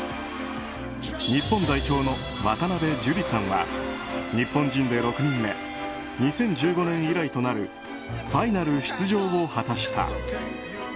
日本代表の渡邉珠理さんは日本人で６人目２０１５年以来となるファイナル出場を果たした。